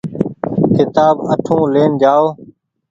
ڪيتآب اٺو لين جآئو۔